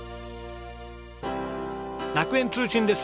楽園通信です。